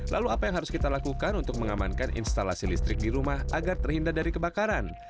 lalu apa yang harus kita lakukan untuk mengamankan instalasi listrik di rumah agar terhindar dari kebakaran